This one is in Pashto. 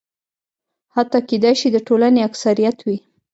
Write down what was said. حتی کېدای شي د ټولنې اکثریت وي.